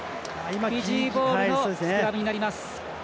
フィジーボールのスクラムになります。